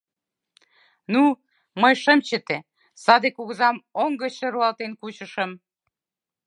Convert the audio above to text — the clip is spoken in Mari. Ну, мый шым чыте, саде кугызам оҥ гычше руалтен кучышым.